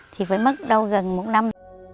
thì phải mất đâu gần một năm